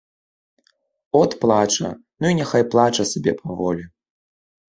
От плача, ну і няхай плача сабе паволі.